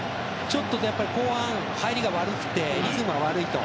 ちょっと後半、入りが悪くてリズムが悪いと。